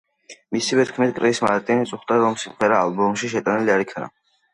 მისივე თქმით, კრის მარტინი წუხდა, რომ სიმღერა ალბომში შეტანილი არ იქნა.